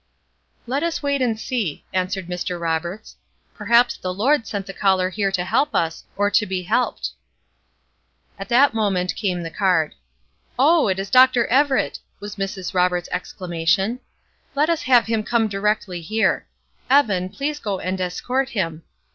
"Let us wait and see," answered Mr. Roberts "perhaps the Lord sent the caller here to help us, or to be helped." At that moment came the card. "Oh, it is Dr. Everett!" was Mrs. Roberts' exclamation. "Let us have him come directly here. Evan, please go and escort him.